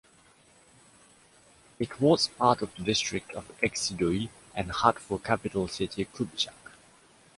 It was part of the district of Excideuil and had for capital city Cubjac.